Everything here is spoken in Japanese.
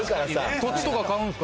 土地とか買うんですか？